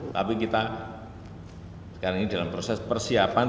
tapi kita sekarang ini dalam proses persiapan